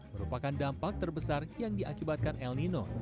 merupakan dampak terbesar yang diakibatkan el nino